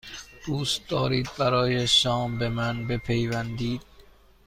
دوست دارید برای شام به من بپیوندید؟